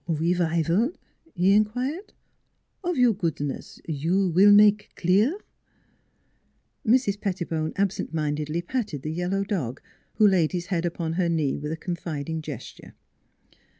"Re vival?" he inquired; "of your goodness you will make clear? " Mrs. Pettibone absent mindedly patted the yellow dog, who laid his head upon her knee with a confiding gesture.